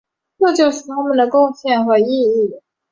这就是他们的贡献和意义。